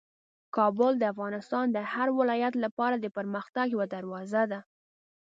کابل د افغانستان د هر ولایت لپاره د پرمختګ یوه دروازه ده.